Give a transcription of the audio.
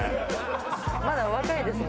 まだお若いですもんね。